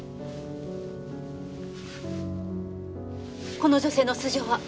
この女性の素性は？